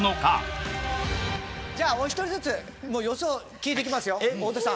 じゃあお一人ずつ予想聞いていきますよ。